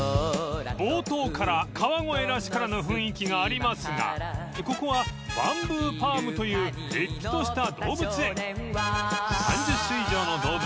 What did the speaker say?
［冒頭から川越らしからぬ雰囲気がありますがここはバンブーパームというれっきとした動物園］